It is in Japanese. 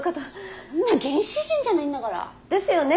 そんな原始人じゃないんだから。ですよね！